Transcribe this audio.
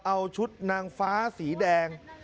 เอาชุดนางฟ้าสีแดง